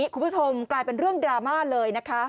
คุณผู้ชมกลายเป็นเรื่องดราม่าเลยนะคะ